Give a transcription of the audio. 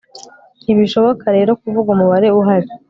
ntibishoboka rero kuvuga umubare uhari